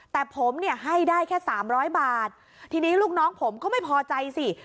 แต่ผมเนี่ยให้ได้แค่สามร้อยบาททีนี้ลูกน้องผมก็ไม่พอใจสิ